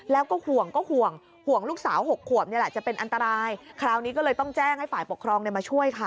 แล้วก็ห่วงก็ห่วงห่วงลูกสาว๖ขวบนี่แหละจะเป็นอันตรายคราวนี้ก็เลยต้องแจ้งให้ฝ่ายปกครองมาช่วยค่ะ